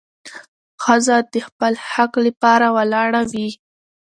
ښځه د خپل حق لپاره ولاړه وي.